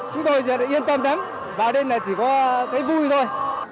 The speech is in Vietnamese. chúng tôi rất yên tâm vào đây chỉ có thấy vui thôi